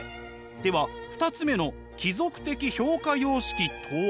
では２つ目の貴族的評価様式とは？